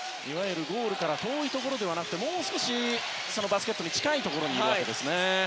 ゴールから遠いところではなくてもう少しバスケットに近いところにいるわけですね。